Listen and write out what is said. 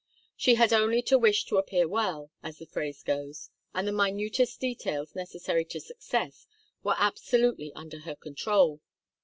She had only to wish to appear well, as the phrase goes, and the minutest details necessary to success were absolutely under her control.